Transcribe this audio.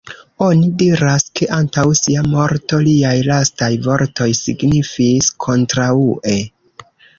Oni diras, ke antaŭ sia morto, liaj lastaj vortoj signifis "Kontraŭe".